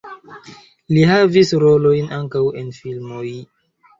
Li havis rolojn ankaŭ en filmoj.